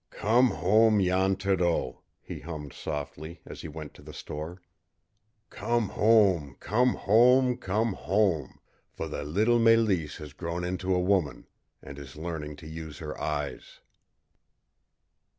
"Come home, Jan Thoreau," he hummed softly, as he went to the store. "Come home, come home, come home, for the little Mélisse has grown into a woman, and is learning to use her eyes!"